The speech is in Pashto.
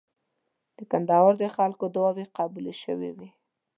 د کندهار د خلکو دعاوي قبولې شوې وې.